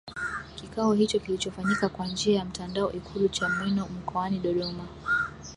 Kikao hicho kilichofanyika kwa njia ya mtandao Ikulu Chamwino mkoani Dodoma